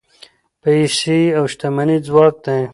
پیسې او شتمني ځواک دی.